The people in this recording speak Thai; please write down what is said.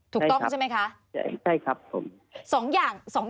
ถูกต้องใช่ไหมคะใช่ครับผมใช่ครับ